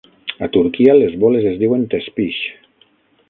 A Turquia, les boles es diuen "tespish".